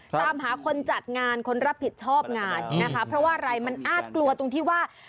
ตามหาคนจัดงานคนรับผิดชอบงานนะคะเพราะว่าอะไรมันอาจกลัวตรงที่ว่า